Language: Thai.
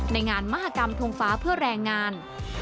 ในงานมหากรรมทงฟ้าเพื่อแรงงาน